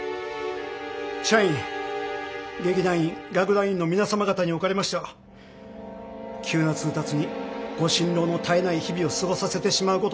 社員劇団員楽団員の皆様方におかれましては急な通達にご心労の絶えない日々を過ごさせてしまうことに。